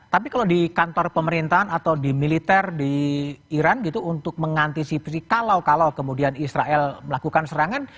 tapi kalau di kantor pemerintahan atau di militer di iran gitu untuk mengantisipasi kalau kalau kemudian israel melakukan serangan